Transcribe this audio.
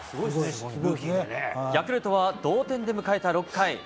ヤクルトは同点で迎えた６回。